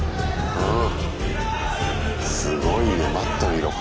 うん。